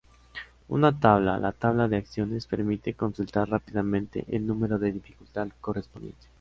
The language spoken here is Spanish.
Una tabla, la tabla de acciones, permite consultar rápidamente el número de dificultad correspondiente.